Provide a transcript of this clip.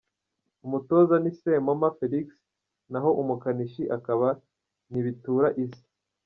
Umutoza ni Sempoma Felix, naho umukanishi akaba Ntibitura Issa.